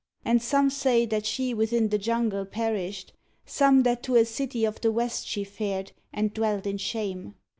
And some say That she within the jungle perished, some That to a city of the west she fared And dwelt in shame.